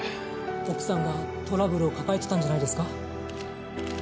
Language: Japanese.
奥さんがトラブルを抱えてたんじゃないですか？